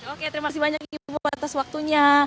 oke terima kasih banyak ibu atas waktunya